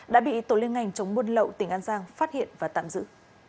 đã bị tổ liên ngành chống buôn lậu tỉnh an giang phát hiện và tạm giữ